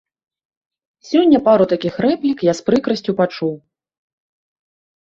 Сёння пару такіх рэплік я з прыкрасцю пачуў.